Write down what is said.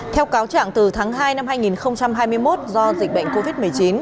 theo cáo trạng từ tháng hai năm hai nghìn hai mươi một do dịch bệnh covid một mươi chín